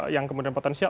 yang kemudian potensial